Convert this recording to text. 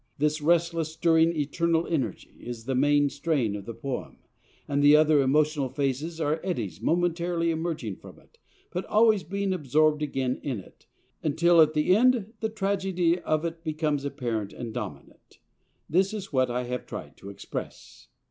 This restless, stirring, eternal energy ... is the main strain of the poem, and the other emotional phases are eddies momentarily emerging from it, but always being absorbed again in it, until at the end the tragedy of it becomes apparent and dominant. This is what I have tried to express."